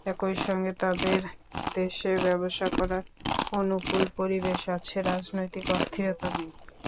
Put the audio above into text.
একই সঙ্গে তাদের দেশে ব্যবসা করার অনুকূল পরিবেশ আছে, রাজনৈতিক অস্থিরতা নেই।